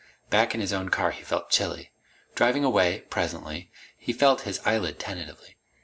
Back in his own car he felt chilly. Driving away, presently, he felt his eyelid tentatively.